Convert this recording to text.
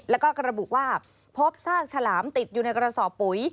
แล้วก็ระบุว่าพบซากฉลามติดอยู่ในกระสอบปุ๋ย